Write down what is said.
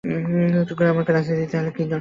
ঘোড়া মার্কা রাজনীতিবিদদের তাহলে কী হবে?